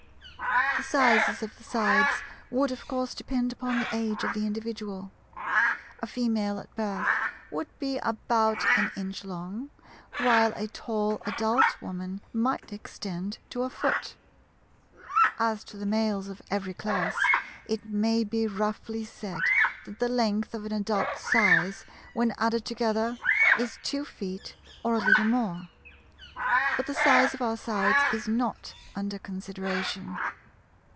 The sizes of the sides would of course depend upon the age of the individual. A Female at birth would be about an inch long, while a tall adult Woman might extend to a foot. As to the Males of every class, it may be roughly said that the length of an adult's size, when added together, is two feet or a little more. But the size of our sides is not under consideration.